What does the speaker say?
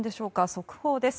速報です。